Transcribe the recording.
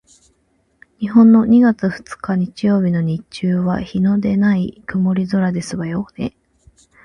日本の二月二日日曜日の日中は日のでない曇り空ですわよね？